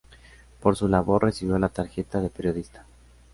Por su labor recibió la tarjeta de periodista.